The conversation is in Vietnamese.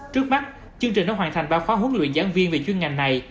trước mắt chương trình đã hoàn thành ba khóa huấn luyện giảng viên về chuyên ngành này